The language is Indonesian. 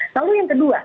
lalu yang kedua